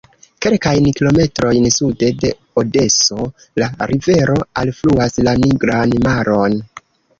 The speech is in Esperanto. Kelkajn kilometrojn sude de Odeso la rivero alfluas la Nigran Maron.